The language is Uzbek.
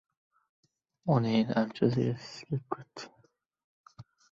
Qoqbel ko‘sak yerda bor oziq-quvvatni tortib oladi.